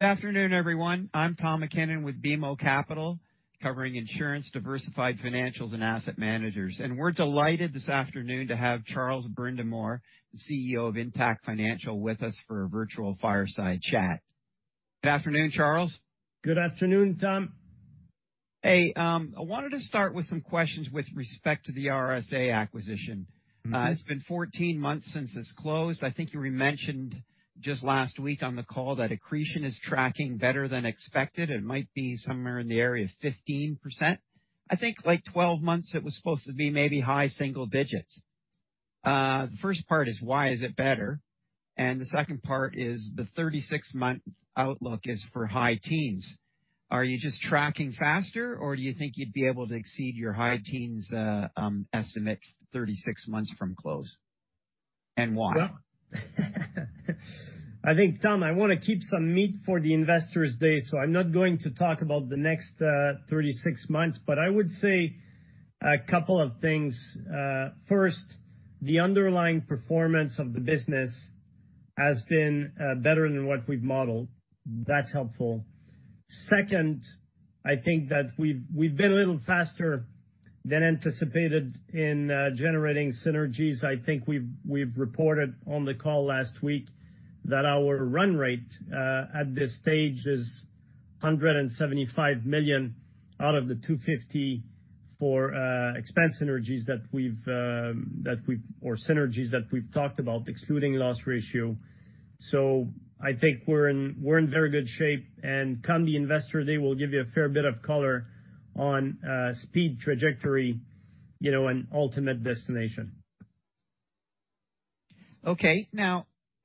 Good afternoon, everyone. I'm Tom MacKinnon with BMO Capital, covering insurance, diversified financials, and asset managers. We're delighted this afternoon to have Charles Brindamour, the CEO of Intact Financial, with us for a virtual fireside chat. Good afternoon, Charles. Good afternoon, Tom. Hey, I wanted to start with some questions with respect to the RSA acquisition. Mm-hmm. it's been 14 months since it's closed. I think you mentioned just last week on the call that accretion is tracking better than expected, and might be somewhere in the area of 15%. I think, like, 12 months, it was supposed to be maybe high single digits. The first part is: Why is it better? The second part is, the 36-month outlook is for high teens. Are you just tracking faster, or do you think you'd be able to exceed your high teens, estimate 36 months from close? Why? Well, I think, Tom, I wanna keep some meat for the Investor Day. I'm not going to talk about the next 36 months, I would say a couple of things. First, the underlying performance of the business has been better than what we've modeled. That's helpful. Second, I think that we've been a little faster than anticipated in generating synergies. I think we've reported on the call last week that our run rate at this stage is 175 million out of the 250 million for expense synergies that we've talked about, excluding loss ratio. I think we're in very good shape. Come the Investor Day, we'll give you a fair bit of color on speed, trajectory, you know, and ultimate destination. Okay.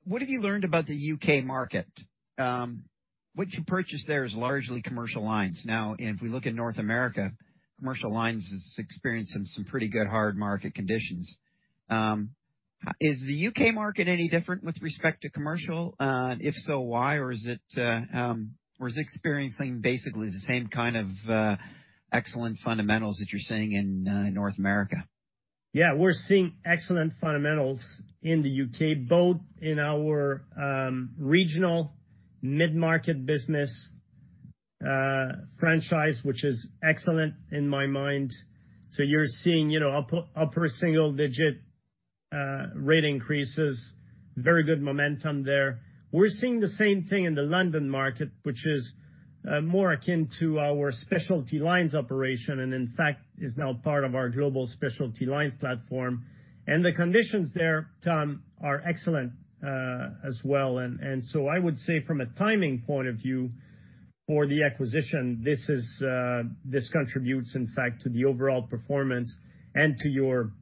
What have you learned about the U.K. market? What you purchased there is largely commercial lines. If we look in North America, commercial lines is experiencing some pretty good hard market conditions. Is the U.K. market any different with respect to commercial? If so, why? Is it experiencing basically the same kind of excellent fundamentals that you're seeing in North America? We're seeing excellent fundamentals in the U.K., both in our regional mid-market business franchise, which is excellent in my mind. You're seeing, you know, upper single-digit rate increases, very good momentum there. We're seeing the same thing in the London market, which is more akin to our specialty lines operation, and in fact, is now part of our global specialty lines platform. The conditions there, Tom, are excellent as well. I would say from a timing point of view for the acquisition, this contributes, in fact, to the overall performance and to your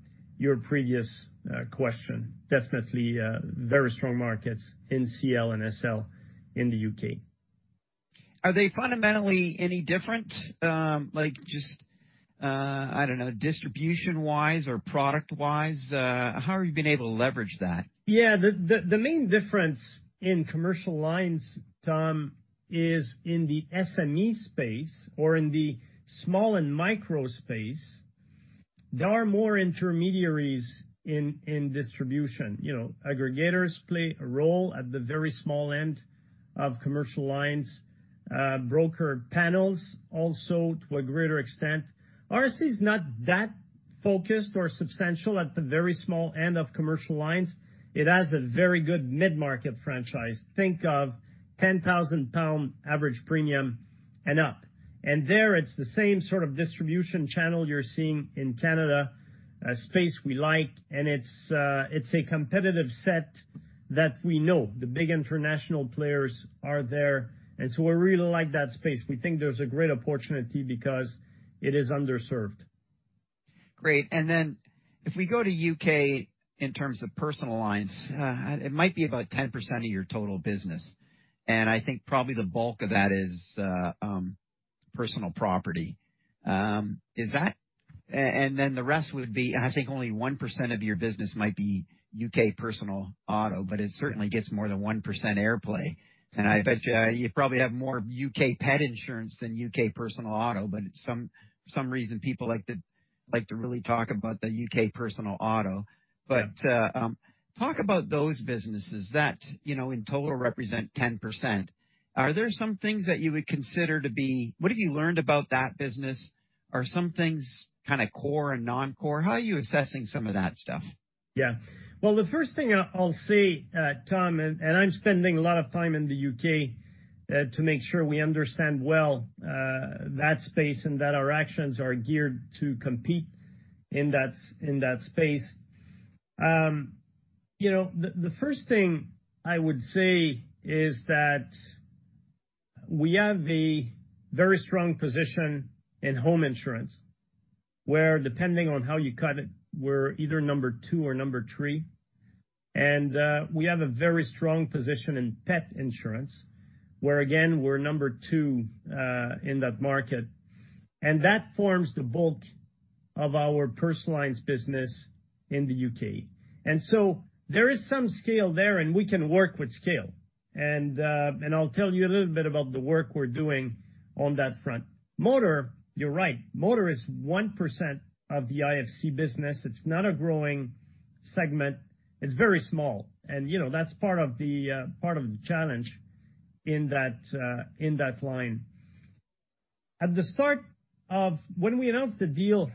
previous question. Definitely, very strong markets in CL and SL in the U.K. Are they fundamentally any different? like, just, I don't know, distribution-wise or product-wise, how have you been able to leverage that? Yeah. The main difference in commercial lines, Tom, is in the SME space or in the small and micro space, there are more intermediaries in distribution. You know, aggregators play a role at the very small end of commercial lines, broker panels also, to a greater extent. RSA is not that focused or substantial at the very small end of commercial lines. It has a very good mid-market franchise. Think of 10,000 pound average premium and up. There, it's the same sort of distribution channel you're seeing in Canada, a space we like, and it's a competitive set that we know. The big international players are there, We really like that space. We think there's a greater opportunity because it is underserved. Great. If we go to U.K. in terms of personal lines, it might be about 10% of your total business, and I think probably the bulk of that is personal property. Is that. Then the rest would be, I think only 1% of your business might be U.K. personal auto, but it certainly gets more than 1% airplay. I bet you probably have more U.K. pet insurance than U.K. personal auto, but it's some reason people like to really talk about the U.K. personal auto. Yeah. Talk about those businesses that, you know, in total represent 10%. Are there some things that you would consider to be? What have you learned about that business? Are some things kind of core and non-core? How are you assessing some of that stuff? Yeah. Well, the first thing I'll say, Tom, I'm spending a lot of time in the U.K. to make sure we understand well that space and that our actions are geared to compete in that, in that space. You know, the first thing I would say is that we have a very strong position in home insurance, where, depending on how you cut it, we're either number 2 or number 3. We have a very strong position in pet insurance, where, again, we're number 2 in that market. That forms the bulk of our personal lines business in the U.K. There is some scale there, and we can work with scale. I'll tell you a little bit about the work we're doing on that front. Motor, you're right, motor is 1% of the IFC business. It's not a growing segment. It's very small, and, you know, that's part of the part of the challenge in that in that line. At the start of when we announced the deal,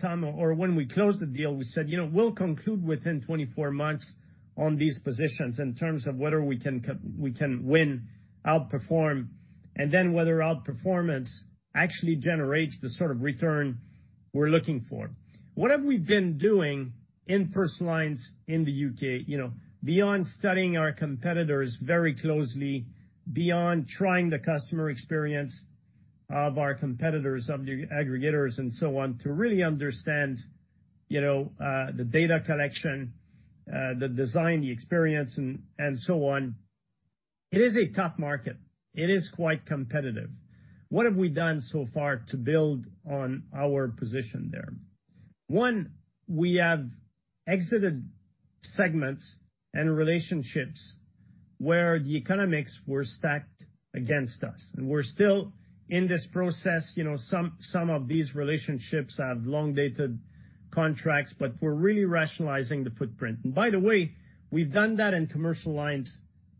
Tom, or when we closed the deal, we said, "You know, we'll conclude within 24 months on these positions in terms of whether we can win, outperform, and then whether outperformance actually generates the sort of return we're looking for." What have we been doing in personal lines in the UK? You know, beyond studying our competitors very closely, beyond trying the customer experience of our competitors, of the aggregators, and so on, to really understand, you know, the data collection, the design, the experience, and so on. It is a tough market. It is quite competitive. What have we done so far to build on our position there? One, we have exited segments and relationships where the economics were stacked against us, and we're still in this process. You know, some of these relationships have long-dated contracts, but we're really rationalizing the footprint. By the way, we've done that in commercial lines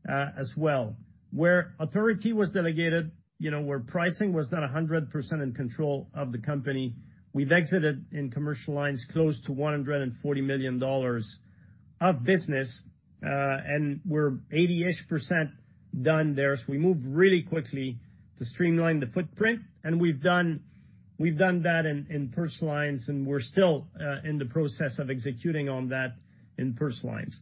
as well, where authority was delegated, you know, where pricing was not 100% in control of the company. We've exited in commercial lines close to 140 million dollars of business, and we're 80-ish% done there. We moved really quickly to streamline the footprint, and we've done that in personal lines, and we're still in the process of executing on that in personal lines.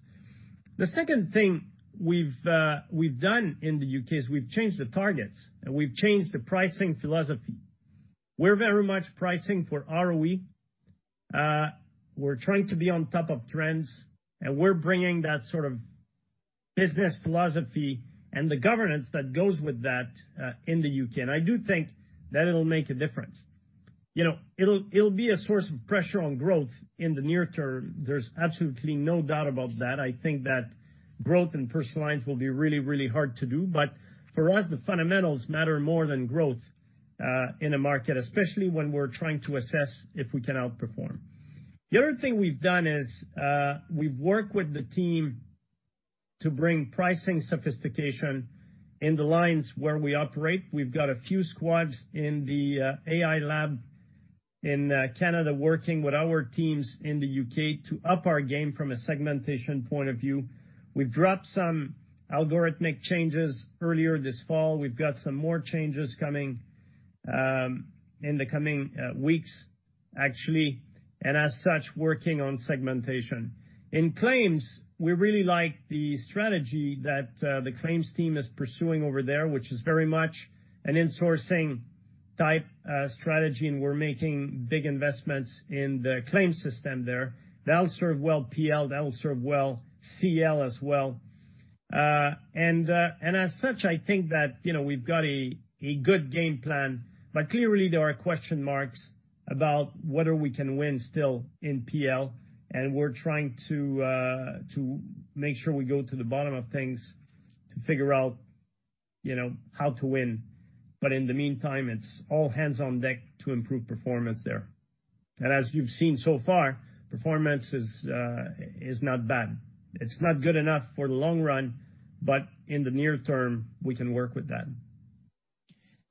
The second thing we've done in the U.K. is we've changed the targets, and we've changed the pricing philosophy. We're very much pricing for ROE. We're trying to be on top of trends, and we're bringing that sort of business philosophy and the governance that goes with that, in the U.K. I do think that it'll make a difference. You know, it'll be a source of pressure on growth in the near term. There's absolutely no doubt about that. I think that growth in personal lines will be really hard to do, but for us, the fundamentals matter more than growth, in a market, especially when we're trying to assess if we can outperform. The other thing we've done is, we've worked with the team to bring pricing sophistication in the lines where we operate. We've got a few squads in the Intact Lab in Canada, working with our teams in the UK to up our game from a segmentation point of view. We've dropped some algorithmic changes earlier this fall. We've got some more changes coming in the coming weeks, actually, and as such, working on segmentation. In claims, we really like the strategy that the claims team is pursuing over there, which is very much an insourcing-type strategy, and we're making big investments in the claims system there. That'll serve well PL, that'll serve well CL as well. As such, I think that, you know, we've got a good game plan, but clearly, there are question marks about whether we can win still in PL, and we're trying to make sure we go to the bottom of things to figure out, you know, how to win. In the meantime, it's all hands on deck to improve performance there. As you've seen so far, performance is not bad. It's not good enough for the long run, but in the near term, we can work with that.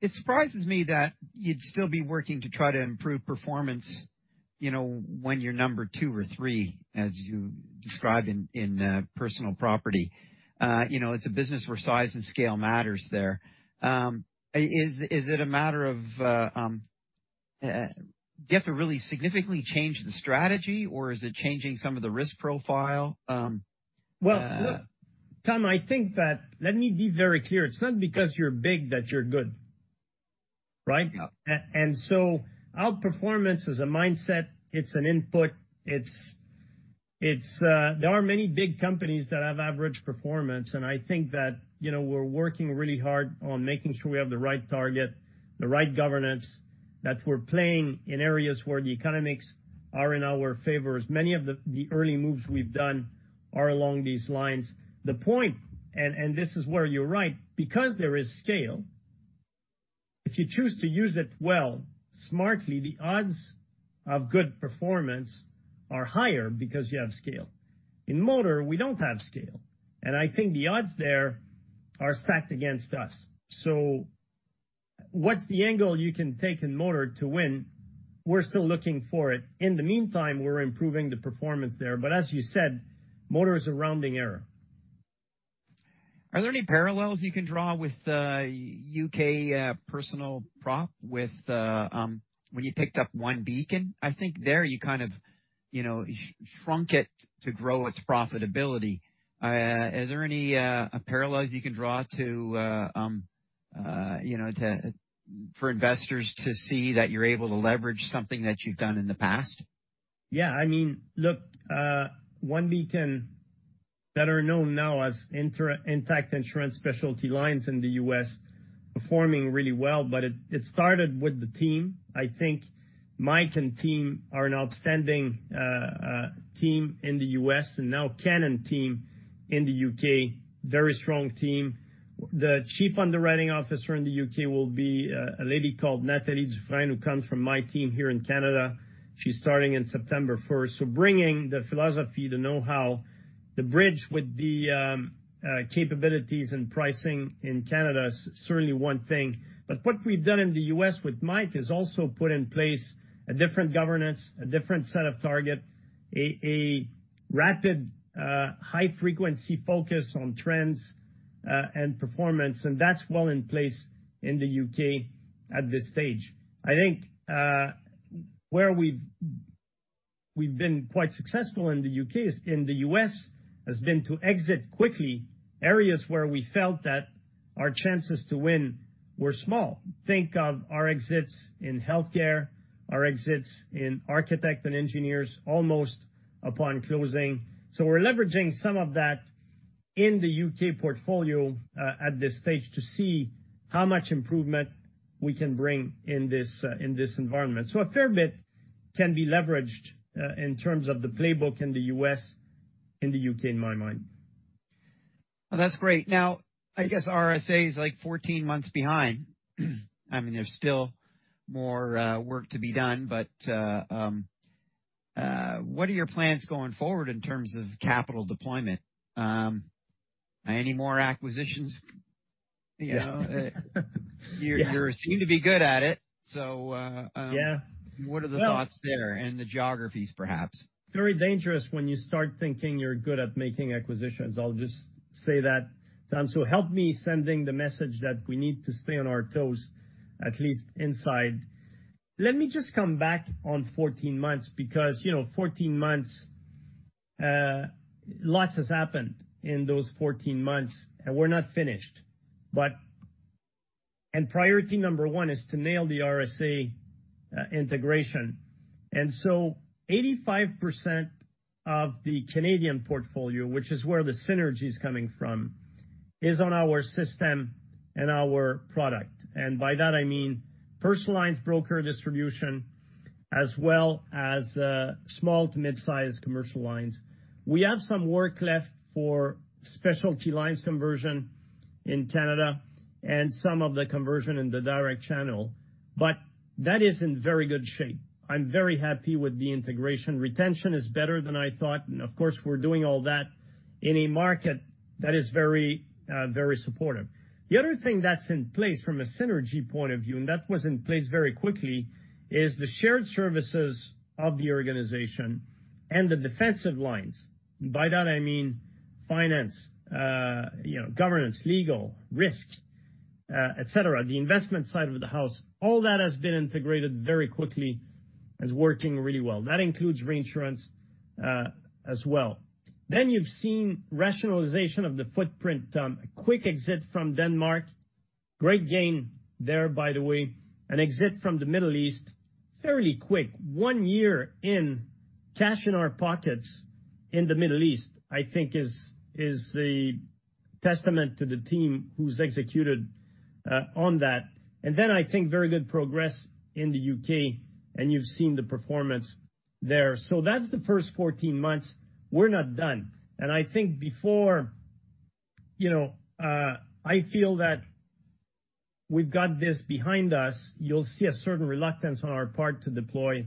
It surprises me that you'd still be working to try to improve performance, you know, when you're number two or three, as you described in, personal property. You know, it's a business where size and scale matters there. Is it a matter of, do you have to really significantly change the strategy, or is it changing some of the risk profile? Well, Tom, I think that... Let me be very clear. It's not because you're big, that you're good, right? Yeah. Outperformance is a mindset, it's an input, it's, there are many big companies that have average performance, and I think that, you know, we're working really hard on making sure we have the right target, the right governance, that we're playing in areas where the economics are in our favor. As many of the early moves we've done are along these lines. The point, and this is where you're right, because there is scale, if you choose to use it well, smartly, the odds of good performance are higher because you have scale. In motor, we don't have scale, and I think the odds there are stacked against us. What's the angle you can take in motor to win? We're still looking for it. In the meantime, we're improving the performance there, but as you said, motor is a rounding error. Are there any parallels you can draw with the UK, personal prop, with, when you picked up OneBeacon? I think there you kind of, you know, shrunk it to grow its profitability. Is there any parallels you can draw to, you know, to, for investors to see that you're able to leverage something that you've done in the past? I mean, look, OneBeacon, better known now as Intact Insurance Specialty Solutions in the U.S., performing really well, but it started with the team. I think Mike and team are an outstanding team in the U.S., and now Cannon team in the U.K., very strong team. The Chief Underwriting Officer in the U.K. will be a lady called Nathalie Dufresne, who comes from my team here in Canada. She's starting in September 1st. Bringing the philosophy, the know-how, the bridge with the capabilities and pricing in Canada is certainly one thing. What we've done in the U.S. with Mike, is also put in place a different governance, a different set of target, a rapid, high-frequency focus on trends and performance, and that's well in place in the U.K. at this stage. I think, where we've been quite successful in the U.K. is, in the U.S., has been to exit quickly areas where we felt that our chances to win were small. Think of our exits in healthcare, our exits in architect and engineers, almost upon closing. We're leveraging some of that in the U.K. portfolio, at this stage to see how much improvement we can bring in this environment. A fair bit can be leveraged, in terms of the playbook in the U.S., in the U.K., in my mind. Well, that's great. I guess RSA is, like, 14 months behind. I mean, there's still more work to be done, but what are your plans going forward in terms of capital deployment? Any more acquisitions? You know, Yeah. You seem to be good at it, so. Yeah. What are the thoughts there, and the geographies, perhaps? Very dangerous when you start thinking you're good at making acquisitions. I'll just say that, Tom, so help me sending the message that we need to stay on our toes, at least inside. Let me just come back on 14 months, because, you know, 14 months, lots has happened in those 14 months, and we're not finished. Priority number 1 is to nail the RSA integration. 85% of the Canadian portfolio, which is where the synergy is coming from, is on our system and our product. By that, I mean personal lines, broker distribution, as well as, small to mid-sized commercial lines. We have some work left for specialty lines conversion in Canada and some of the conversion in the direct channel, but that is in very good shape. I'm very happy with the integration. Retention is better than I thought. Of course, we're doing all that in a market that is very, very supportive. The other thing that's in place from a synergy point of view, that was in place very quickly, is the shared services of the organization and the defensive lines. By that, I mean finance, you know, governance, legal, risk, et cetera, the investment side of the house. All that has been integrated very quickly. It's working really well. That includes reinsurance as well. You've seen rationalization of the footprint, a quick exit from Denmark. Great gain there, by the way. An exit from the Middle East, fairly quick. One year in, cash in our pockets in the Middle East, I think, is the testament to the team who's executed on that. I think, very good progress in the U.K., and you've seen the performance there. That's the first 14 months. We're not done. I think before, you know, I feel that we've got this behind us, you'll see a certain reluctance on our part to deploy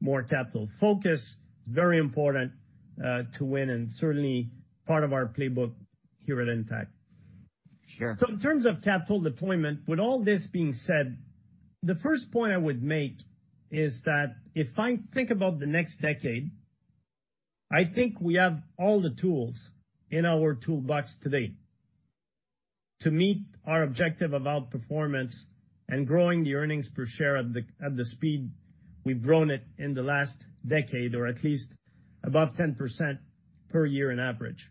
more capital. Focus, very important, to win and certainly part of our playbook here at Intact. Sure. In terms of capital deployment, with all this being said, the first point I would make is that if I think about the next decade, I think we have all the tools in our toolbox today to meet our objective about performance and growing the earnings per share at the speed we've grown it in the last decade, or at least above 10% per year on average.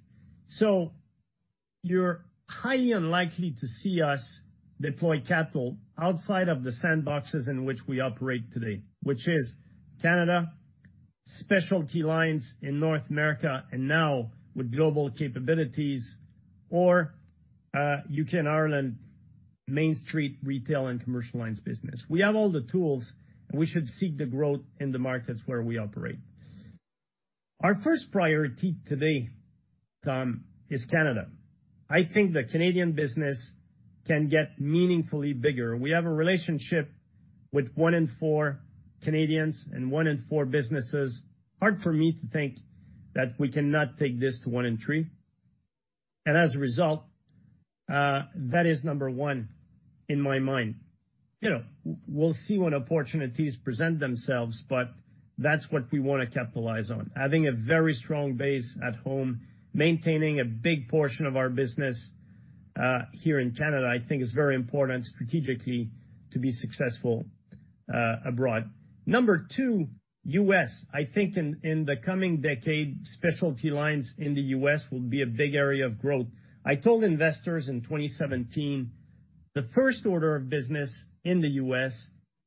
You're highly unlikely to see us deploy capital outside of the sandboxes in which we operate today, which is Canada, specialty lines in North America, and now with global capabilities or UK and Ireland, Main Street retail and commercial lines business. We have all the tools, and we should seek the growth in the markets where we operate. Our first priority today, Tom, is Canada. I think the Canadian business can get meaningfully bigger. We have a relationship with 1 in 4 Canadians and 1 in 4 businesses. Hard for me to think that we cannot take this to 1 in 3, and as a result, that is number 1 in my mind. You know, we'll see when opportunities present themselves, but that's what we wanna capitalize on. Having a very strong base at home, maintaining a big portion of our business, here in Canada, I think is very important strategically to be successful abroad. Number 2, U.S. I think in the coming decade, specialty lines in the U.S. will be a big area of growth. I told investors in 2017, the first order of business in the U.S.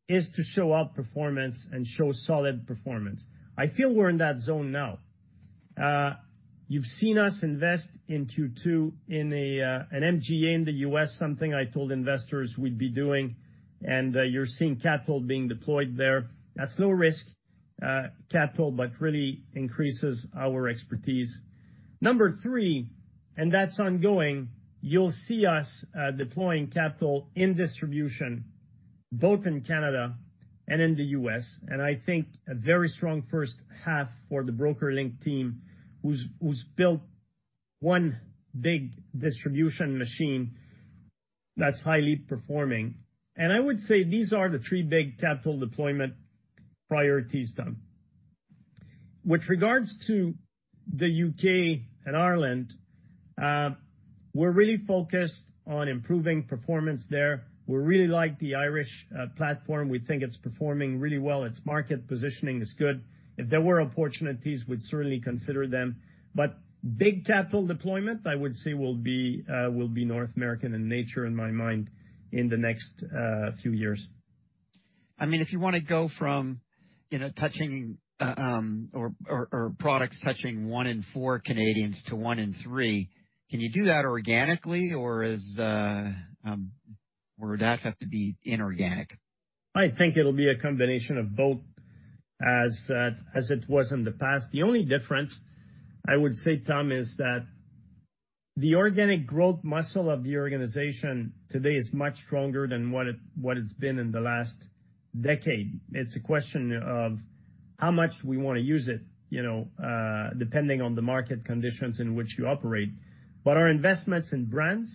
is to show outperformance and show solid performance. I feel we're in that zone now. You've seen us invest in Q2 in an MGA in the U.S., something I told investors we'd be doing. You're seeing capital being deployed there. That's low risk capital, but really increases our expertise. Number 3. That's ongoing, you'll see us deploying capital in distribution, both in Canada and in the U.S. I think a very strong first half for the BrokerLink team, who's built one big distribution machine that's highly performing. I would say these are the 3 big capital deployment priorities, Tom. With regards to the U.K. and Ireland, we're really focused on improving performance there. We really like the Irish platform. We think it's performing really well. Its market positioning is good. If there were opportunities, we'd certainly consider them, but big capital deployment, I would say, will be North American in nature, in my mind, in the next few years. I mean, if you wanna go from, you know, touching, or products touching one in four Canadians to one in three, can you do that organically or is the, would that have to be inorganic? I think it'll be a combination of both, as it was in the past. The only difference I would say, Tom, is that the organic growth muscle of the organization today is much stronger than what it's been in the last decade. It's a question of how much we wanna use it, you know, depending on the market conditions in which you operate. Our investments in brands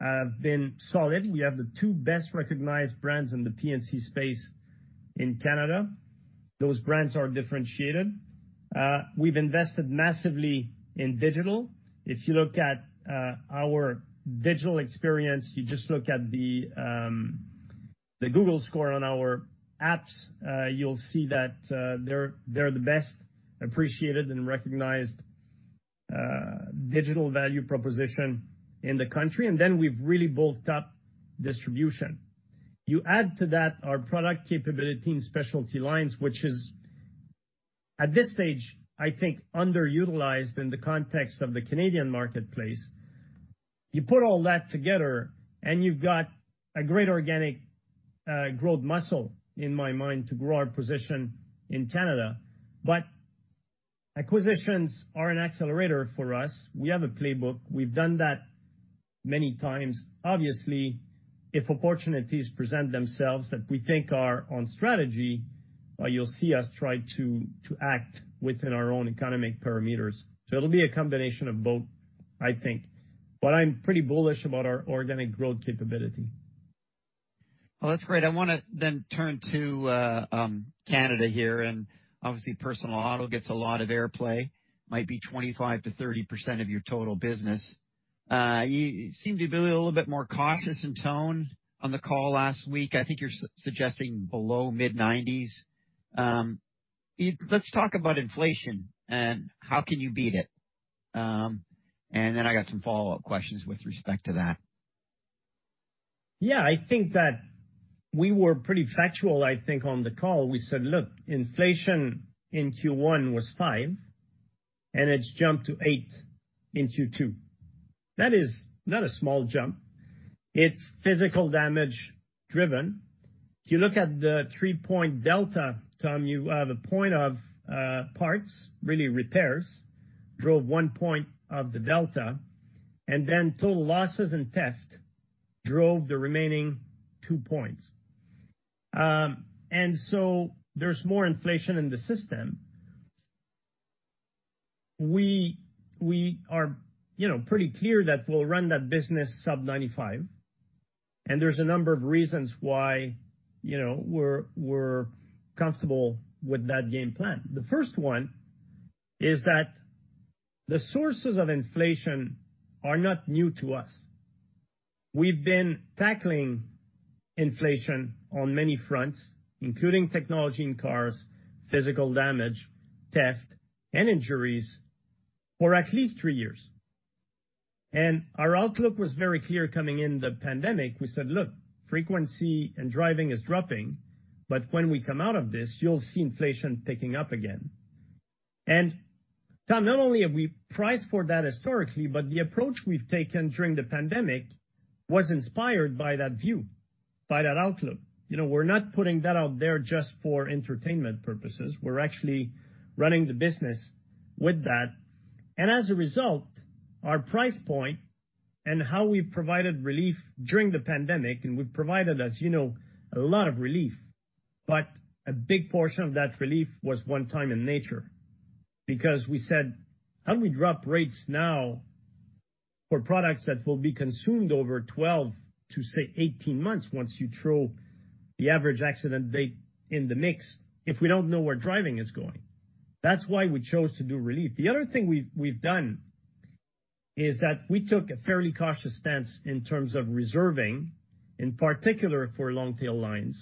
have been solid. We have the two best-recognized brands in the P&C space in Canada. Those brands are differentiated. We've invested massively in digital. If you look at our digital experience, you just look at the Google score on our apps, you'll see that they're the best appreciated and recognized digital value proposition in the country. We've really built up distribution. You add to that our product capability in specialty lines, which is, at this stage, I think, underutilized in the context of the Canadian marketplace. You put all that together, and you've got a great organic growth muscle, in my mind, to grow our position in Canada, but acquisitions are an accelerator for us. We have a playbook. We've done that many times. Obviously, if opportunities present themselves that we think are on strategy, you'll see us try to act within our own economic parameters. It'll be a combination of both, I think. I'm pretty bullish about our organic growth capability. Well, that's great. I wanna turn to Canada here. Obviously, personal auto gets a lot of airplay, might be 25%-30% of your total business. You seem to be a little bit more cautious in tone on the call last week. I think you're suggesting below mid-90s. Let's talk about inflation and how can you beat it? I got some follow-up questions with respect to that. Yeah, I think that we were pretty factual, I think, on the call. We said, look, inflation in Q1 was 5%, it's jumped to 8% in Q2. That is not a small jump. It's physical damage driven. If you look at the 3-point delta, Tom, you have a point of parts, really repairs, drove 1 point of the delta, total losses and theft drove the remaining 2 points. There's more inflation in the system. We are, you know, pretty clear that we'll run that business sub-95%, there's a number of reasons why, you know, we're comfortable with that game plan. The first one is that the sources of inflation are not new to us. We've been tackling inflation on many fronts, including technology in cars, physical damage, theft, and injuries for at least three years. Our outlook was very clear coming in the pandemic. We said, look, frequency and driving is dropping, but when we come out of this, you'll see inflation picking up again. Tom, not only have we priced for that historically, but the approach we've taken during the pandemic was inspired by that view, by that outlook. You know, we're not putting that out there just for entertainment purposes. We're actually running the business with that. As a result, our price point and how we've provided relief during the pandemic, and we've provided, as you know, a lot of relief, but a big portion of that relief was one time in nature. We said, how do we drop rates now for products that will be consumed over 12 to, say, 18 months, once you throw the average accident date in the mix, if we don't know where driving is going? That's why we chose to do relief. Other thing we've done is that we took a fairly cautious stance in terms of reserving, in particular for long tail lines,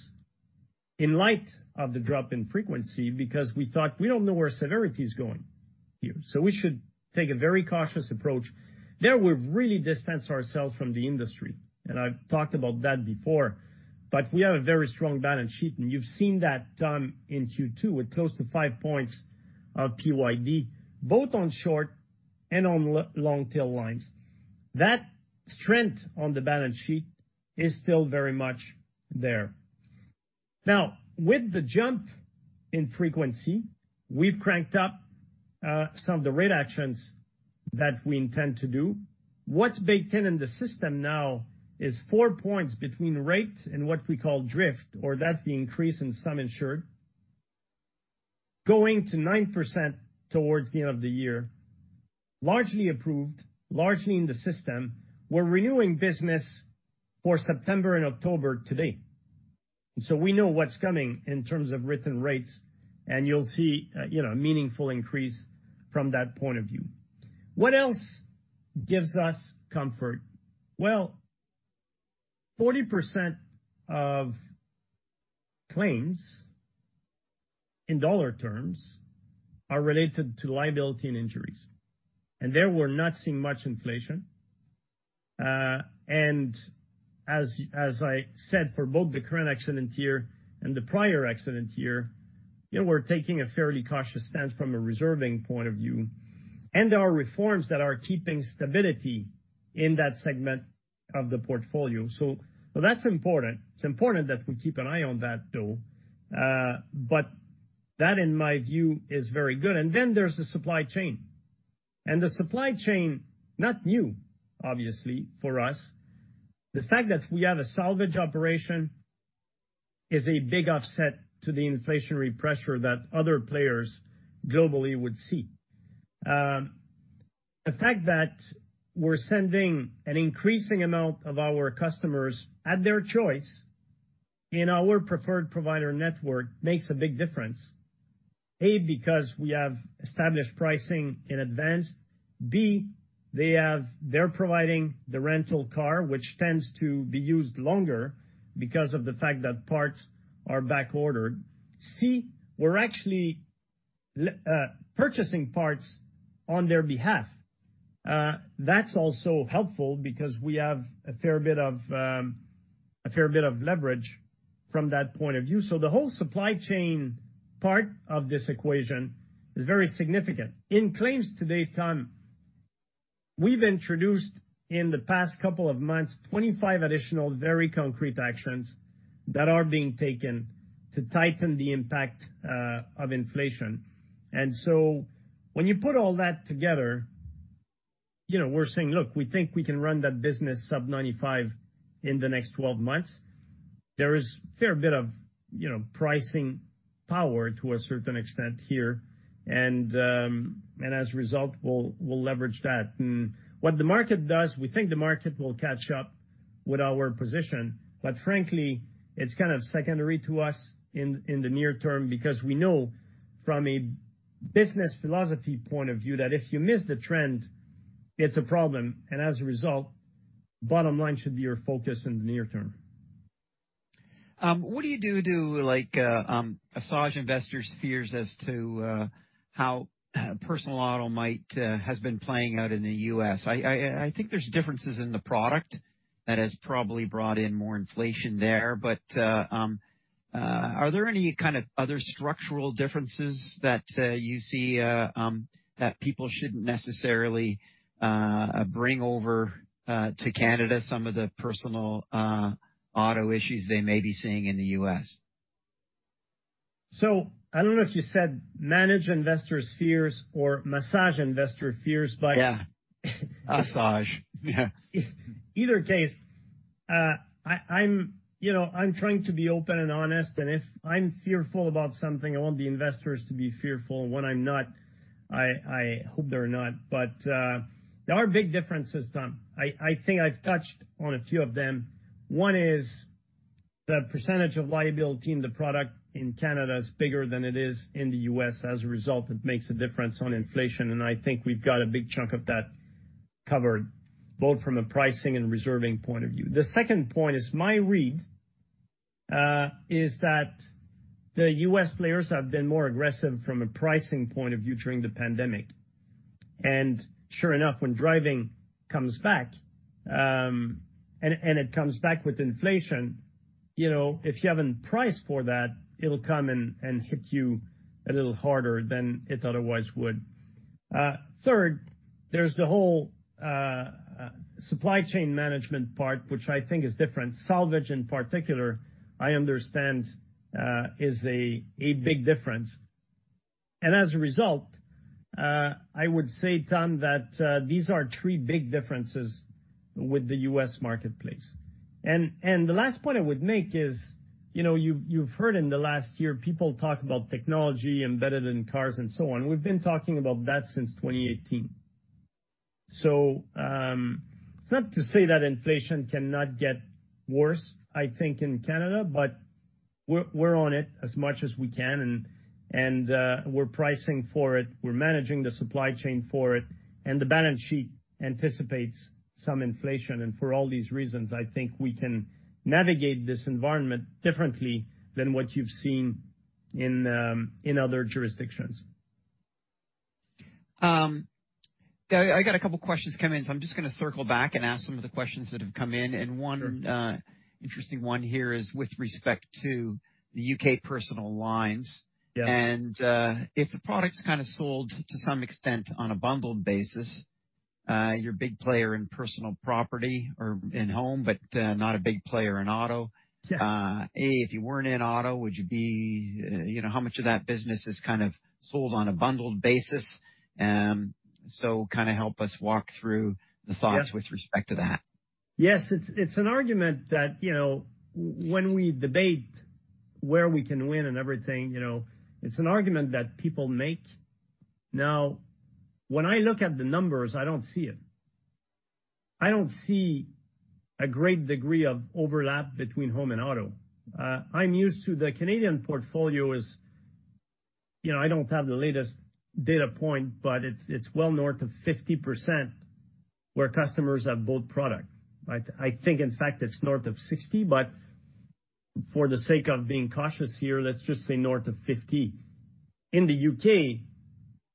in light of the drop in frequency, because we thought we don't know where severity is going here, so we should take a very cautious approach. There, we've really distanced ourselves from the industry, and I've talked about that before, but we have a very strong balance sheet, and you've seen that done in Q2, with close to 5 points of PYD, both on short- and on long tail lines. That strength on the balance sheet is still very much there. With the jump in frequency, we've cranked up some of the rate actions that we intend to do. What's baked in in the system now is four points between rate and what we call drift, or that's the increase in sum insured, going to 9% towards the end of the year, largely approved, largely in the system. We're renewing business for September and October today, so we know what's coming in terms of written rates, and you'll see, you know, a meaningful increase from that point of view. What else gives us comfort? 40% of claims, in CAD terms, are related to liability and injuries, and there we're not seeing much inflation. As I said, for both the current accident year and the prior accident year, you know, we're taking a fairly cautious stance from a reserving point of view. There are reforms that are keeping stability in that segment of the portfolio. That's important. It's important that we keep an eye on that, though. That, in my view, is very good. Then there's the supply chain. The supply chain, not new, obviously, for us. The fact that we have a salvage operation is a big offset to the inflationary pressure that other players globally would see. The fact that we're sending an increasing amount of our customers, at their choice, in our preferred provider network makes a big difference. Because we have established pricing in advance. B, they're providing the rental car, which tends to be used longer because of the fact that parts are backordered. C, we're actually purchasing parts on their behalf. That's also helpful because we have a fair bit of leverage from that point of view. The whole supply chain part of this equation is very significant. In claims to date, Tom, we've introduced, in the past couple of months, 25 additional very concrete actions that are being taken to tighten the impact of inflation. When you put all that together, you know, we're saying: Look, we think we can run that business sub-95 in the next 12 months. There is a fair bit of, you know, pricing power to a certain extent here, and, as a result, we'll leverage that. What the market does, we think the market will catch up with our position, but frankly, it's kind of secondary to us in the near term, because we know from a business philosophy point of view, that if you miss the trend, it's a problem, and as a result, bottom line should be your focus in the near term. like, massage investors' fears as to how personal auto might has been playing out in the U.S.? I think there's differences in the product that has probably brought in more inflation there. Are there any kind of other structural differences that you see that people shouldn't necessarily bring over to Canada, some of the personal auto issues they may be seeing in the U.S. I don't know if you said manage investors' fears or massage investor fears? Yeah. Massage, yeah. Either case, I'm, you know, I'm trying to be open and honest, and if I'm fearful about something, I want the investors to be fearful, and when I'm not, I hope they're not. There are big differences, Tom. I think I've touched on a few of them. One is the percentage of liability in the product in Canada is bigger than it is in the U.S. As a result, it makes a difference on inflation, and I think we've got a big chunk of that covered, both from a pricing and reserving point of view. The second point is, my read, is that the U.S. players have been more aggressive from a pricing point of view during the pandemic. Sure enough, when driving comes back, and it comes back with inflation, you know, if you haven't priced for that, it'll come and hit you a little harder than it otherwise would. Third, there's the whole supply chain management part, which I think is different. Salvage, in particular, I understand, is a big difference. As a result, I would say, Tom MacKinnon, that these are three big differences with the U.S. marketplace. The last point I would make is, you know, you've heard in the last year people talk about technology embedded in cars and so on. We've been talking about that since 2018. It's not to say that inflation cannot get worse, I think, in Canada, but we're on it as much as we can, and we're pricing for it, we're managing the supply chain for it, and the balance sheet anticipates some inflation. For all these reasons, I think we can navigate this environment differently than what you've seen in other jurisdictions. I got a couple questions come in, so I'm just gonna circle back and ask some of the questions that have come in. Sure. One, interesting one here is with respect to the U.K. personal lines. Yeah. If the product's kind of sold to some extent on a bundled basis, you're a big player in personal property or in home, but not a big player in auto. Yeah. A, if you weren't in auto, would you be, you know, how much of that business is kind of sold on a bundled basis? Kind of help us walk through the thoughts. Yes. with respect to that. Yes, it's an argument that, you know, when we debate where we can win and everything, you know, it's an argument that people make. Now, when I look at the numbers, I don't see it. I don't see a great degree of overlap between home and auto. I'm used to the Canadian portfolio as, you know, I don't have the latest data point, but it's well north of 50% where customers have both product, right? I think, in fact, it's north of 60, but for the sake of being cautious here, let's just say north of 50. In the UK,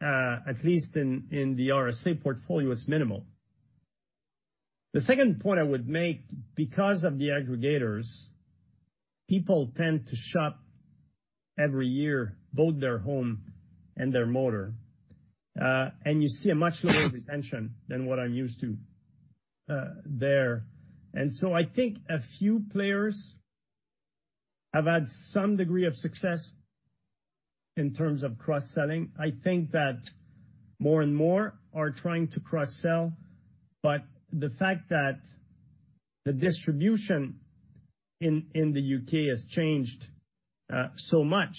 at least in the RSA portfolio, it's minimal. The second point I would make, because of the aggregators, people tend to shop every year, both their home and their motor, and you see a much lower retention than what I'm used to there. I think a few players have had some degree of success in terms of cross-selling. I think that more and more are trying to cross-sell, the fact that the distribution in the UK has changed so much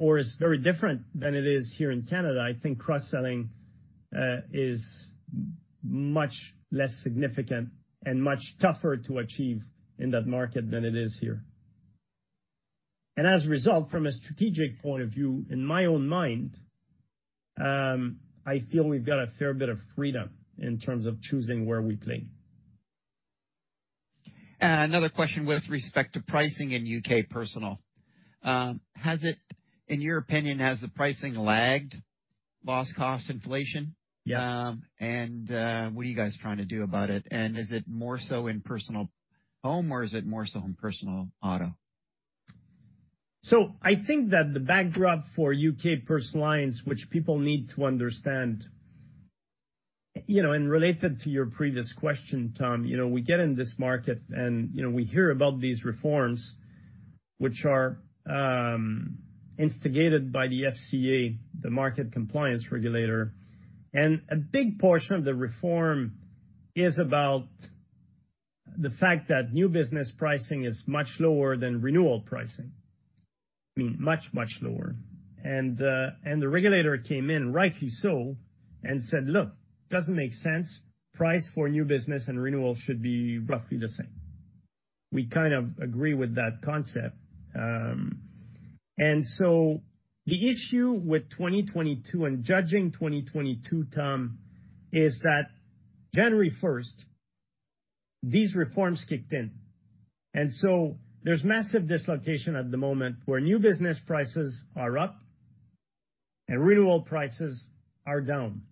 or is very different than it is here in Canada, I think cross-selling is much less significant and much tougher to achieve in that market than it is here. As a result, from a strategic point of view, in my own mind, I feel we've got a fair bit of freedom in terms of choosing where we play. Another question with respect to pricing in UK personal. Has it, in your opinion, has the pricing lagged loss cost inflation? Yeah. What are you guys trying to do about it? Is it more so in personal home, or is it more so in personal auto? I think that the backdrop for UK personal lines, which people need to understand, you know, and related to your previous question, Tom, you know, we get in this market and, you know, we hear about these reforms, which are instigated by the FCA, the market compliance regulator. A big portion of the reform is about the fact that new business pricing is much lower than renewal pricing. I mean, much, much lower. The regulator came in, rightly so, and said: Look, doesn't make sense. Price for new business and renewal should be roughly the same. We kind of agree with that concept. The issue with 2022 and judging 2022, Tom, is that January 1st, these reforms kicked in. There's massive dislocation at the moment where new business prices are up and renewal prices are down.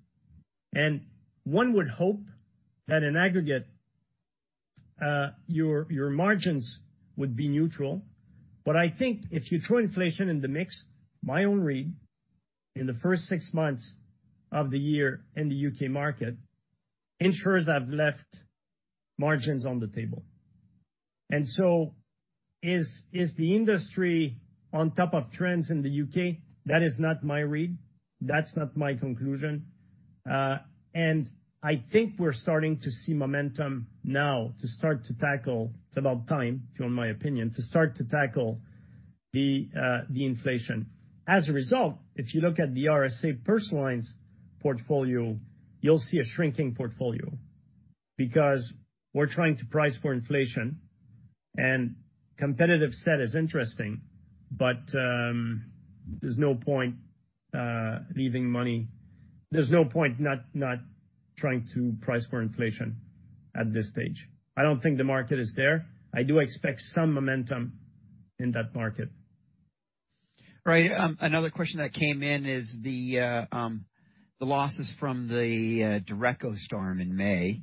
One would hope that in aggregate, your margins would be neutral. I think if you throw inflation in the mix, my own read, in the first six months of the year in the U.K. market, insurers have left margins on the table. Is the industry on top of trends in the U.K.? That is not my read. That's not my conclusion. I think we're starting to see momentum now to start to tackle, it's about time, to my opinion, to start to tackle the inflation. As a result, if you look at the RSA personal lines portfolio, you'll see a shrinking portfolio, because we're trying to price for inflation, and competitive set is interesting, but there's no point leaving money. There's no point not trying to price for inflation at this stage. I don't think the market is there. I do expect some momentum in that market. Right. Another question that came in is the losses from the derecho storm in May.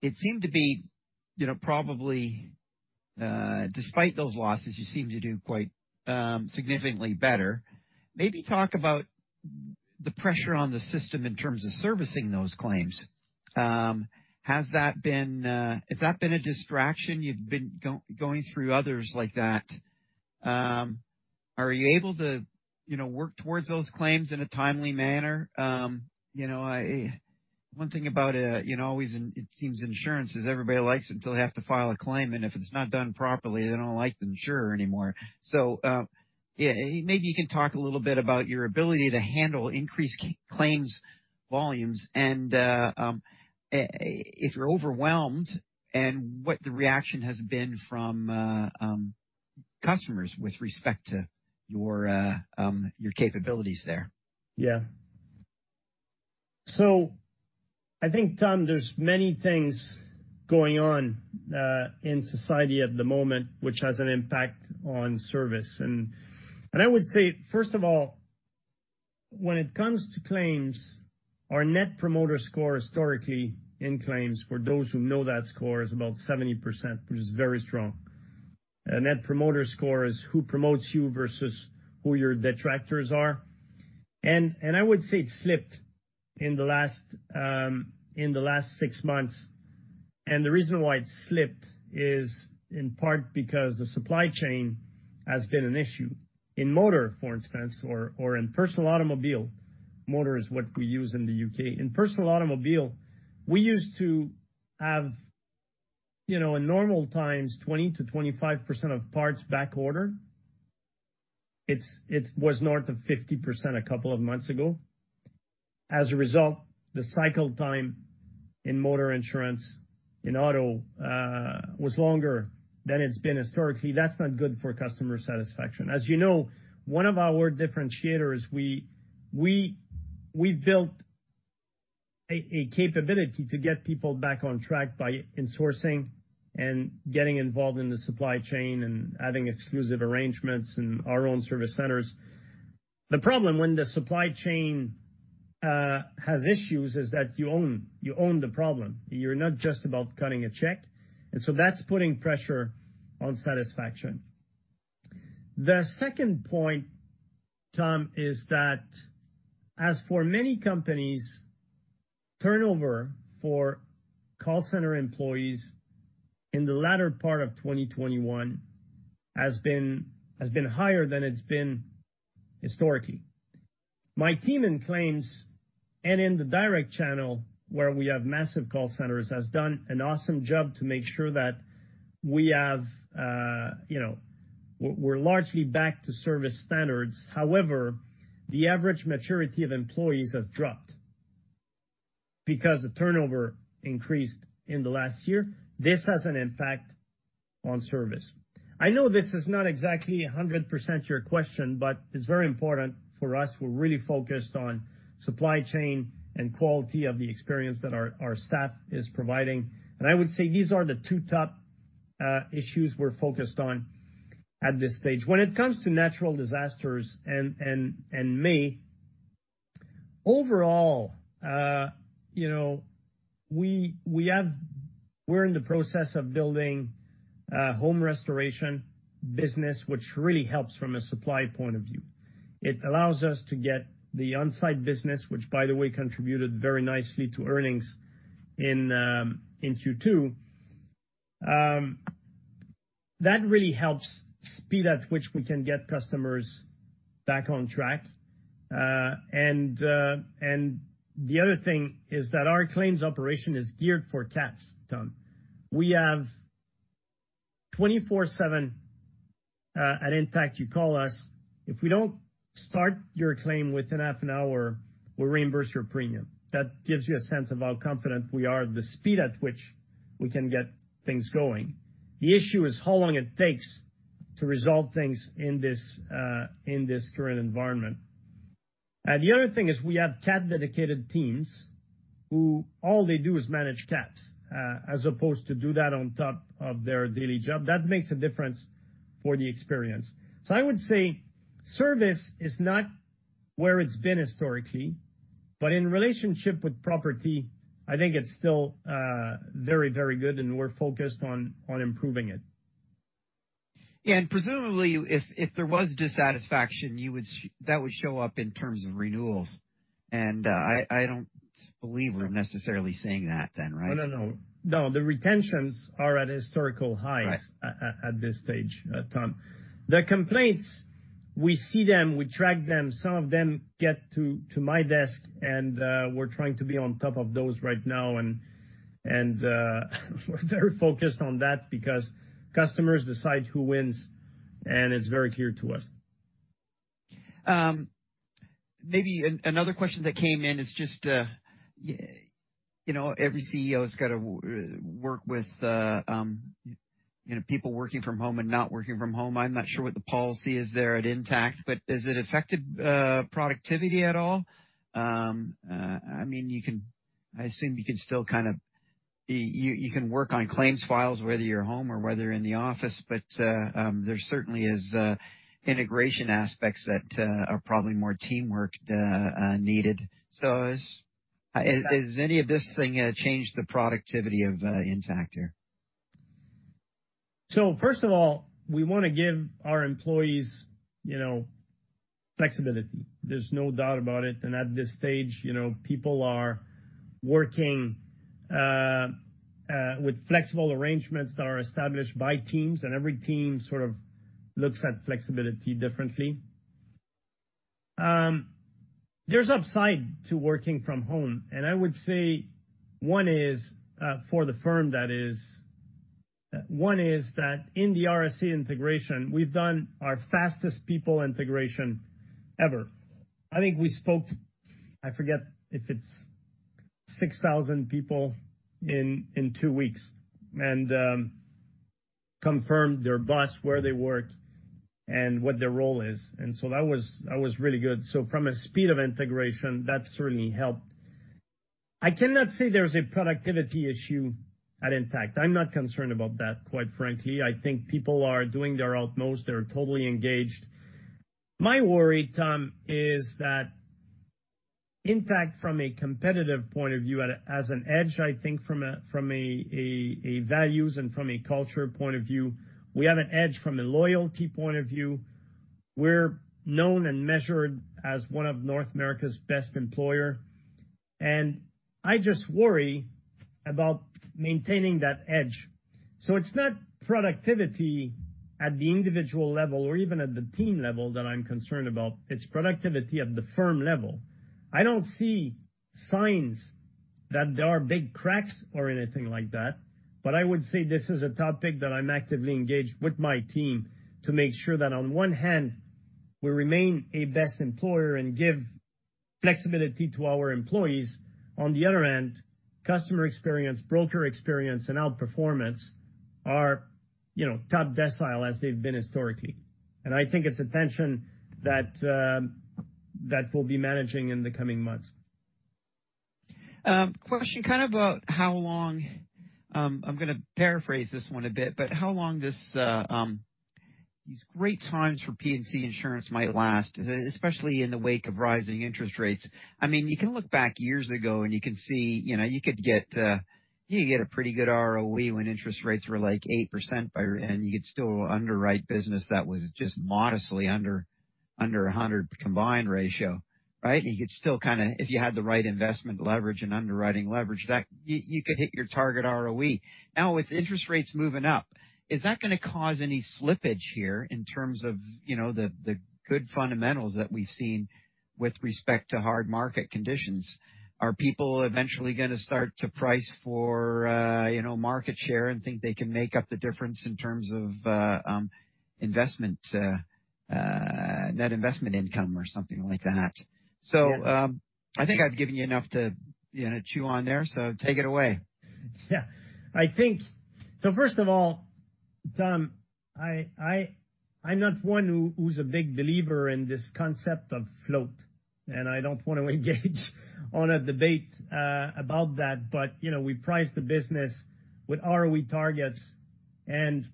It seemed to be, you know, probably, despite those losses, you seem to do quite, significantly better. Maybe talk about the pressure on the system in terms of servicing those claims. Has that been a distraction? You've been going through others like that. Are you able to, you know, work towards those claims in a timely manner? You know, One thing about, you know, always in, it seems insurance is everybody likes it until they have to file a claim, and if it's not done properly, they don't like the insurer anymore. Yeah, maybe you can talk a little bit about your ability to handle increased claims, volumes, and if you're overwhelmed and what the reaction has been from customers with respect to your capabilities there. Yeah. I think, Tom MacKinnon, there's many things going on in society at the moment, which has an impact on service. I would say, first of all, when it comes to claims, our Net Promoter Score historically in claims, for those who know that score, is about 70%, which is very strong. A Net Promoter Score is who promotes you versus who your detractors are. I would say it slipped in the last 6 months, and the reason why it slipped is in part because the supply chain has been an issue. In motor, for instance, or in personal automobile, motor is what we use in the U.K. In personal automobile, we used to have, you know, in normal times, 20%-25% of parts backorder. It was north of 50% a couple of months ago. As a result, the cycle time in motor insurance in auto was longer than it's been historically. That's not good for customer satisfaction. As you know, one of our differentiators, we built a capability to get people back on track by insourcing and getting involved in the supply chain and adding exclusive arrangements in our own service centers. The problem when the supply chain has issues is that you own the problem. You're not just about cutting a check, that's putting pressure on satisfaction. The second point, Tom, is that as for many companies, turnover for call center employees in the latter part of 2021 has been higher than it's been historically. My team in claims and in the direct channel, where we have massive call centers, has done an awesome job to make sure that we have, you know, we're largely back to service standards. However, the average maturity of employees has dropped because the turnover increased in the last year. This has an impact on service. I know this is not exactly 100% your question, but it's very important for us. We're really focused on supply chain and quality of the experience that our staff is providing. I would say these are the two top issues we're focused on at this stage. When it comes to natural disasters and me, overall, you know, we're in the process of building a home restoration business, which really helps from a supply point of view. It allows us to get the on-site business, which, by the way, contributed very nicely to earnings in Q2. That really helps speed at which we can get customers back on track. The other thing is that our claims operation is geared for CATs, Tom. We have 24/7, at Intact, you call us. If we don't start your claim within half an hour, we reimburse your premium. That gives you a sense of how confident we are, the speed at which we can get things going. The issue is how long it takes to resolve things in this current environment. The other thing is we have CAT-dedicated teams, who all they do is manage CATs, as opposed to do that on top of their daily job. That makes a difference for the experience. I would say service is not where it's been historically, but in relationship with property, I think it's still, very good, and we're focused on improving it. Yeah, presumably, if there was dissatisfaction, you would that would show up in terms of renewals, and I don't believe we're necessarily seeing that then, right? Oh, no. No. The retentions are at historical highs. Right... at this stage, Tom. The complaints, we see them, we track them, some of them get to my desk, and we're trying to be on top of those right now. We're very focused on that because customers decide who wins, and it's very clear to us. Maybe another question that came in is just, you know, every CEO has got to work with, you know, people working from home and not working from home. I'm not sure what the policy is there at Intact, but has it affected productivity at all? I mean, I assume you can still kind of, you can work on claims files, whether you're home or whether you're in the office, but there certainly is integration aspects that are probably more teamwork needed. Has any of this thing changed the productivity of Intact here? First of all, we want to give our employees, you know, flexibility. There's no doubt about it, at this stage, you know, people are working with flexible arrangements that are established by teams, and every team sort of looks at flexibility differently. There's upside to working from home, I would say one is for the firm, that is, one is that in the RSA integration, we've done our fastest people integration ever. I think we spoke, I forget if it's 6,000 people in 2 weeks, confirmed their boss, where they work, and what their role is. That was really good. From a speed of integration, that certainly helped. I cannot say there's a productivity issue at Intact. I'm not concerned about that, quite frankly. I think people are doing their utmost. They're totally engaged. My worry, Tom, is that in fact, from a competitive point of view, as an edge, I think from a values and from a culture point of view, we have an edge from a loyalty point of view. We're known and measured as one of North America's best employer, and I just worry about maintaining that edge. It's not productivity at the individual level or even at the team level that I'm concerned about, it's productivity at the firm level. I don't see signs that there are big cracks or anything like that, but I would say this is a topic that I'm actively engaged with my team to make sure that on one hand, we remain a best employer and give flexibility to our employees. On the other hand, customer experience, broker experience, and outperformance are, you know, top decile as they've been historically. I think it's a tension that we'll be managing in the coming months. Question, kind of about how long, I'm gonna paraphrase this one a bit, but how long these great times for P&C insurance might last, especially in the wake of rising interest rates? I mean, you can look back years ago, and you can see, you know, you could get a pretty good ROE when interest rates were, like, 8% by. You could still underwrite business that was just modestly under, a 100 combined ratio, right? You could still kinda, if you had the right investment leverage and underwriting leverage, that you could hit your target ROE. Now, with interest rates moving up, is that gonna cause any slippage here in terms of, you know, the good fundamentals that we've seen with respect to hard market conditions? Are people eventually gonna start to price for, you know, market share and think they can make up the difference in terms of investment, net investment income or something like that? Yeah. I think I've given you enough to, you know, chew on there, so take it away. Yeah. I think. First of all, Tom, I'm not one who's a big believer in this concept of float, and I don't wanna engage on a debate about that. You know, we price the business with ROE targets, and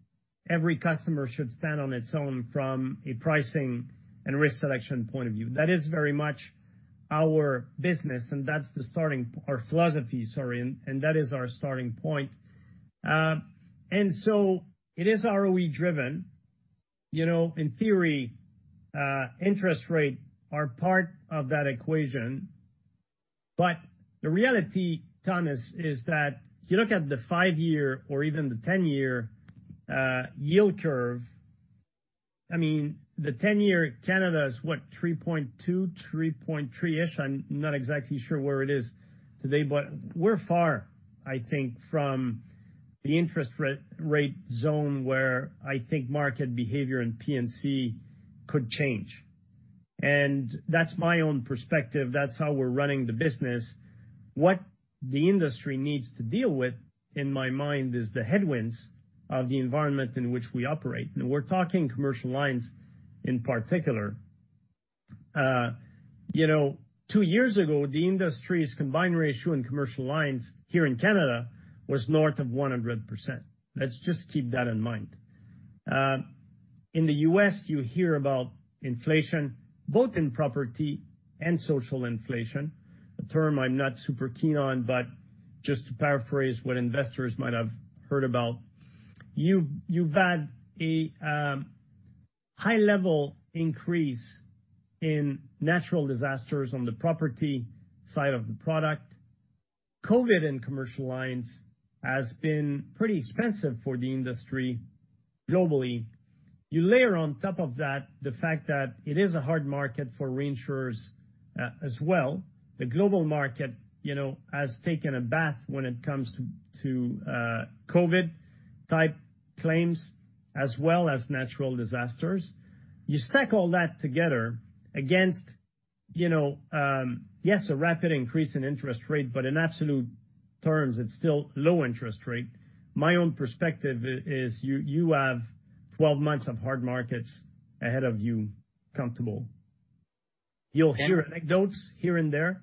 every customer should stand on its own from a pricing and risk selection point of view. That is very much our business, and that's the starting, our philosophy, sorry, and that is our starting point. It is ROE driven. You know, in theory, interest rate are part of that equation. The reality, Tom, is that you look at the five-year or even the 10-year yield curve, I mean, the 10-year Canada is what? 3.2%, 3.3%-ish. I'm not exactly sure where it is today, we're far, I think, from the interest rate zone, where I think market behavior and P&C could change. That's my own perspective. That's how we're running the business. What the industry needs to deal with, in my mind, is the headwinds of the environment in which we operate, we're talking commercial lines in particular. You know, two years ago, the industry's combined ratio in commercial lines here in Canada was north of 100%. Let's just keep that in mind. In the US, you hear about inflation, both in property and social inflation, a term I'm not super keen on, just to paraphrase what investors might have heard about. You've had a high-level increase in natural disasters on the property side of the product. COVID in commercial lines has been pretty expensive for the industry globally. You layer on top of that the fact that it is a hard market for reinsurers as well. The global market, you know, has taken a bath when it comes to COVID-type claims as well as natural disasters. You stack all that together against, you know, yes, a rapid increase in interest rate, but in absolute terms, it's still low interest rate. My own perspective is you have 12 months of hard markets ahead of you, comfortable. You'll hear anecdotes here and there,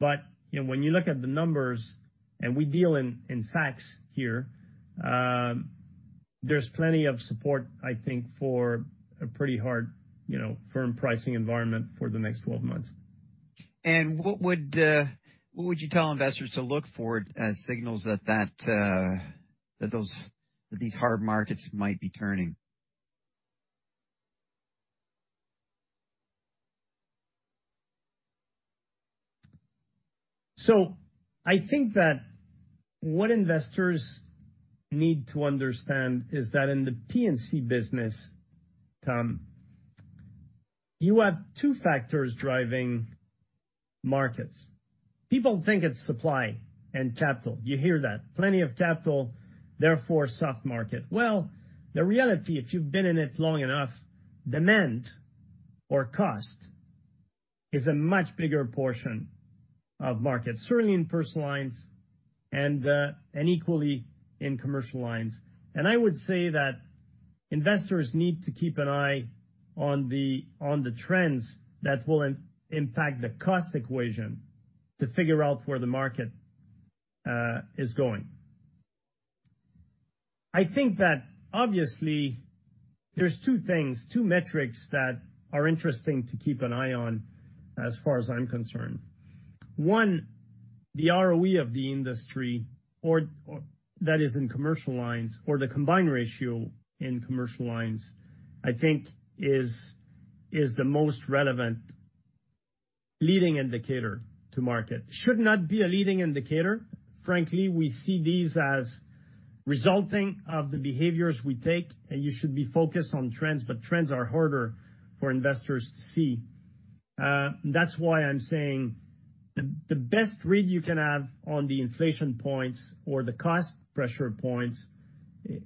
but, you know, when you look at the numbers, and we deal in facts here, there's plenty of support, I think, for a pretty hard, you know, firm pricing environment for the next 12 months. What would you tell investors to look for as signals that these hard markets might be turning? I think that what investors need to understand is that in the P&C business, Tom, you have two factors driving markets. People think it's supply and capital. You hear that, plenty of capital, therefore, soft market. The reality, if you've been in it long enough, demand or cost is a much bigger portion of markets, certainly in personal lines and equally in commercial lines. I would say that investors need to keep an eye on the trends that will, in fact, the cost equation, to figure out where the market is going. I think that obviously there's two things, two metrics that are interesting to keep an eye on, as far as I'm concerned. One, the ROE of the industry, or that is in commercial lines or the combined ratio in commercial lines, I think is the most relevant leading indicator to market. Should not be a leading indicator. Frankly, we see these as resulting of the behaviors we take, and you should be focused on trends, but trends are harder for investors to see. That's why I'm saying the best read you can have on the inflation points or the cost pressure points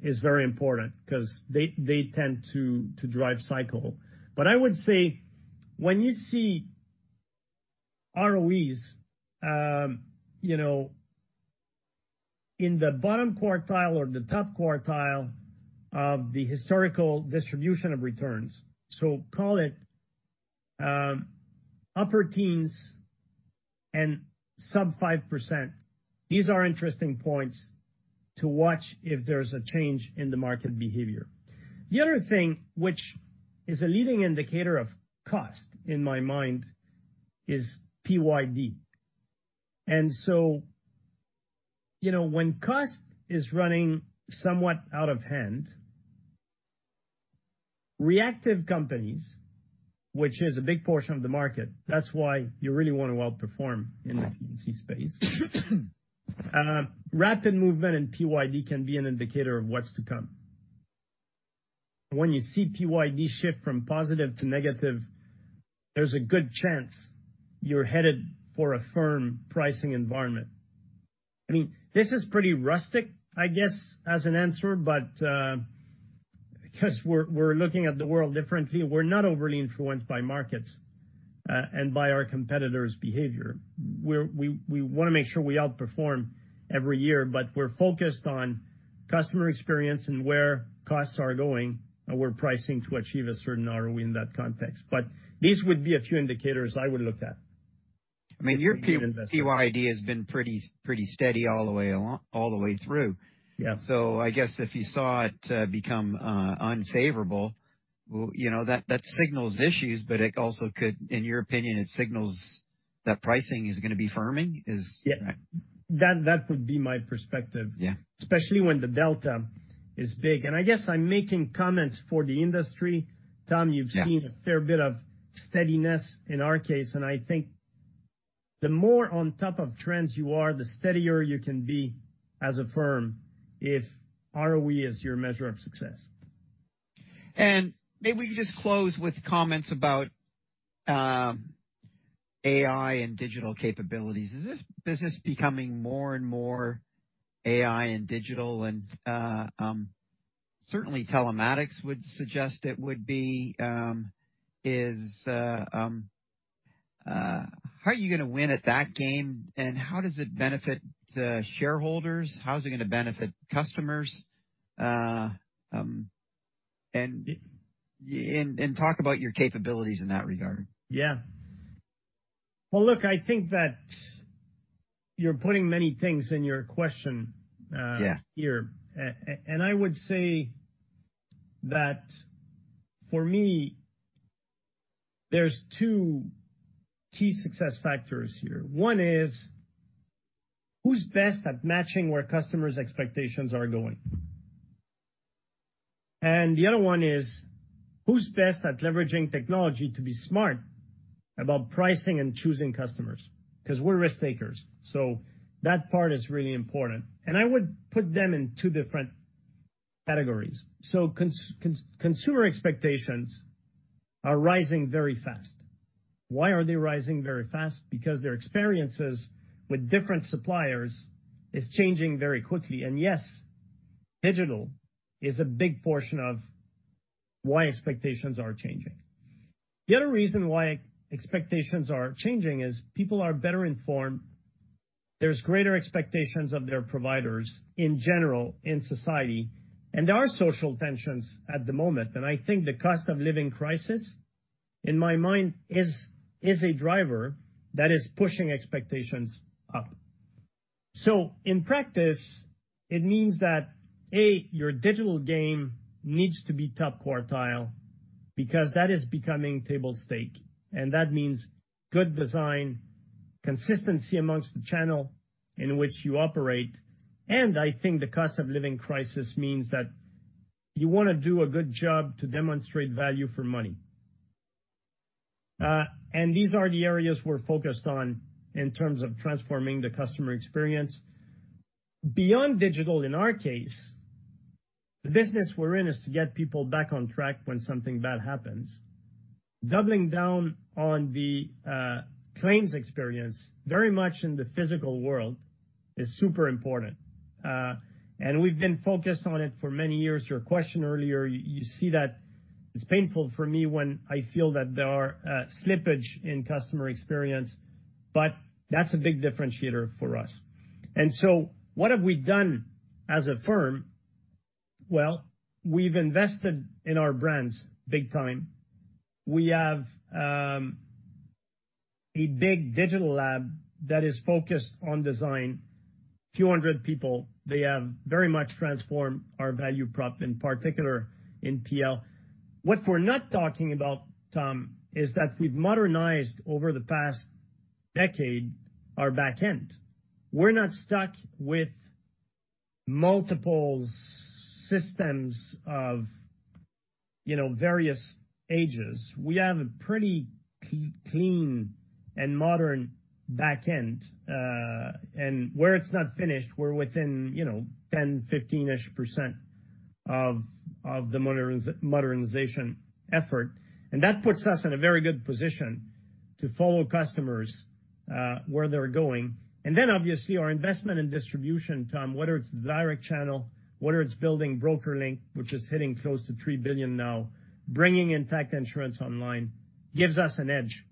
is very important because they tend to drive cycle. I would say when you see ROEs, you know, in the bottom quartile or the top quartile of the historical distribution of returns, so call it upper teens and sub 5%, these are interesting points to watch if there's a change in the market behavior. The other thing, which is a leading indicator of cost, in my mind, is PYD. You know, when cost is running somewhat out of hand, reactive companies, which is a big portion of the market, that's why you really want to outperform in the P&C space. Rapid movement in PYD can be an indicator of what's to come. When you see PYD shift from positive to negative, there's a good chance you're headed for a firm pricing environment. I mean, this is pretty rustic, I guess, as an answer, but because we're looking at the world differently, we're not overly influenced by markets and by our competitors' behavior. We wanna make sure we outperform every year, but we're focused on customer experience and where costs are going, and we're pricing to achieve a certain ROE in that context. These would be a few indicators I would look at. I mean, your PYD has been pretty steady all the way along, all the way through. Yeah. I guess if you saw it become unfavorable, well, you know, that signals issues, but it also could, in your opinion, it signals that pricing is gonna be firming? Yeah. That, that would be my perspective. Yeah. Especially when the delta is big. I guess I'm making comments for the industry. Tom, you've. Yeah... seen a fair bit of steadiness in our case. I think the more on top of trends you are, the steadier you can be as a firm if ROE is your measure of success. Maybe we could just close with comments about AI and digital capabilities. Is this business becoming more and more AI and digital? Certainly telematics would suggest it would be. How are you gonna win at that game? How does it benefit the shareholders? How is it gonna benefit customers? And talk about your capabilities in that regard. Yeah. Well, look, I think that you're putting many things in your question. Yeah here. I would say that for me, there's two key success factors here. One is, who's best at matching where customers' expectations are going? The other one is, who's best at leveraging technology to be smart about pricing and choosing customers? 'Cause we're risk takers, so that part is really important. I would put them in two different categories. Consumer expectations are rising very fast. Why are they rising very fast? Because their experiences with different suppliers is changing very quickly. Yes, digital is a big portion of why expectations are changing. The other reason why expectations are changing is people are better informed. There's greater expectations of their providers in general, in society, and there are social tensions at the moment, and I think the cost of living crisis, in my mind, is a driver that is pushing expectations up. In practice, it means that, A, your digital game needs to be top quartile because that is becoming table stake, and that means good design, consistency amongst the channel in which you operate, and I think the cost of living crisis means that you wanna do a good job to demonstrate value for money. These are the areas we're focused on in terms of transforming the customer experience. Beyond digital, in our case, the business we're in is to get people back on track when something bad happens. Doubling down on the claims experience, very much in the physical world, is super important. We've been focused on it for many years. Your question earlier, you see that it's painful for me when I feel that there are slippage in customer experience, but that's a big differentiator for us. What have we done as a firm? Well, we've invested in our brands big time. We have a big digital lab that is focused on design, 200 people. They have very much transformed our value prop, in particular in PL. What we're not talking about, Tom, is that we've modernized over the past decade, our back end. We're not stuck with multiple systems of, you know, various ages. We have a pretty clean and modern back end, and where it's not finished, we're within, you know, 10, 15-ish% of the modernization effort. That puts us in a very good position to follow customers where they're going. Obviously, our investment in distribution, Tom, whether it's direct channel, whether it's building BrokerLink, which is hitting close to 3 billion now, bringing Intact Insurance online, gives us an edge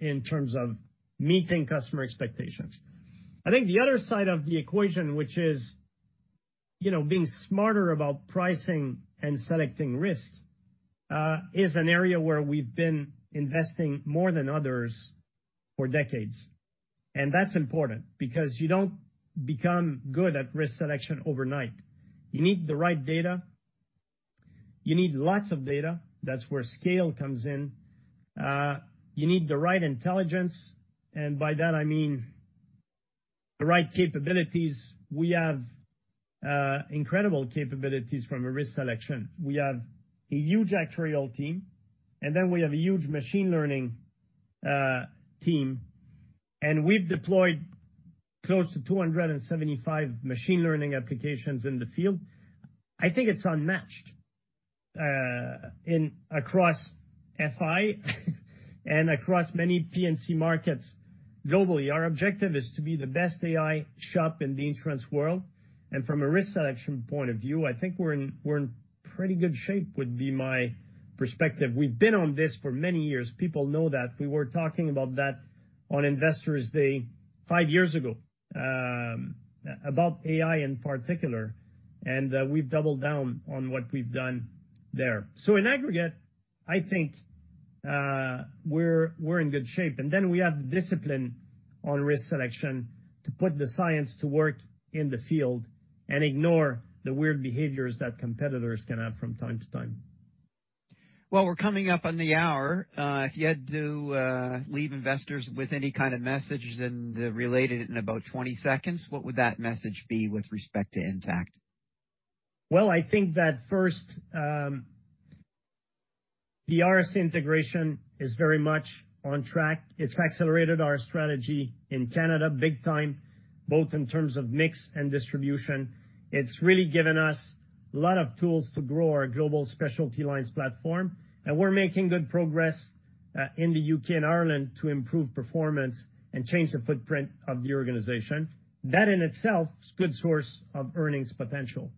in terms of meeting customer expectations. I think the other side of the equation, which is, you know, being smarter about pricing and selecting risk is an area where we've been investing more than others for decades. That's important, because you don't become good at risk selection overnight. You need the right data, you need lots of data. That's where scale comes in. You need the right intelligence, and by that, I mean the right capabilities. We have incredible capabilities from a risk selection. We have a huge actuarial team, and then we have a huge machine learning team, and we've deployed close to 275 machine learning applications in the field. I think it's unmatched in, across FI, and across many P&C markets globally. Our objective is to be the best AI shop in the insurance world, and from a risk selection point of view, I think we're in, we're in pretty good shape, would be my perspective. We've been on this for many years. People know that. We were talking about that on Investor Day, 5 years ago, about AI in particular, and we've doubled down on what we've done there. In aggregate, I think, we're in good shape. We have discipline on risk selection to put the science to work in the field and ignore the weird behaviors that competitors can have from time to time. Well, we're coming up on the hour. if you had to, leave investors with any kind of message and relate it in about 20 seconds, what would that message be with respect to Intact? I think that, first, the RSA integration is very much on track. It's accelerated our strategy in Canada, big time, both in terms of mix and distribution. It's really given us a lot of tools to grow our global specialty lines platform, and we're making good progress in the UK and Ireland to improve performance and change the footprint of the organization. That in itself is good source of earnings potential.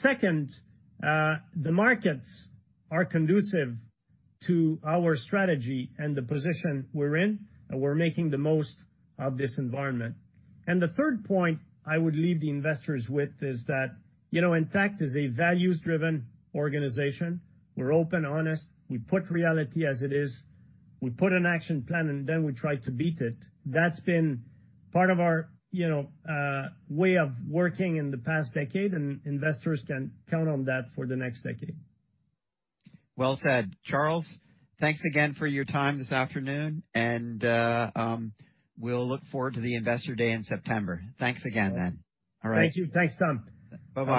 Second, the markets are conducive to our strategy and the position we're in, and we're making the most of this environment. The third point I would leave the investors with is that, you know, Intact is a values-driven organization. We're open, honest, we put reality as it is. We put an action plan, and then we try to beat it. That's been part of our, you know, way of working in the past decade. Investors can count on that for the next decade. Well said. Charles, thanks again for your time this afternoon, we'll look forward to the Investor Day in September. Thanks again. All right. Thank you. Thanks, Tom. Bye-bye.